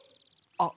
あっ。